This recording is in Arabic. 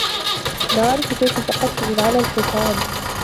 لا أعرف كيف سقطت من على الحصان.